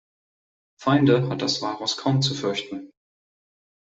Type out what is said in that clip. Feinde hat das Walross kaum zu fürchten.